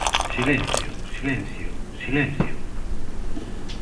Silencio, silencio, silencio.